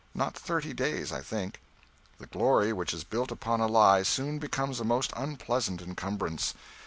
Not thirty days, I think. The glory which is built upon a lie soon becomes a most unpleasant incumbrance.